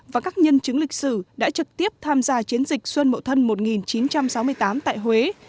và các nhân chứng lịch sử đã trực tiếp tham gia chiến dịch xuân mậu thân một nghìn chín trăm sáu mươi tám tại huế